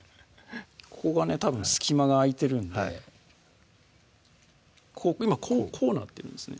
ここがねたぶん隙間が空いてるんで今こうなってるんですね